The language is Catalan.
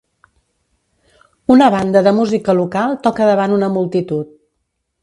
Una banda de música local toca davant una multitud.